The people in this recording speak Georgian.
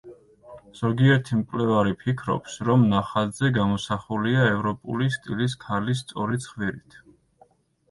ზოგიერთი მკვლევარი ფიქრობს, რომ ნახატზე გამოსახულია ევროპული სტილის ქალი სწორი ცხვირით.